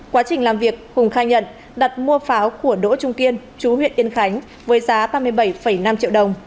quá trình làm việc hùng khai nhận đặt mua pháo của đỗ trung kiên chú huyện yên khánh với giá ba mươi bảy năm triệu đồng